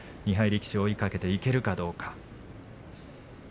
力士を追いかけていけるかどうか。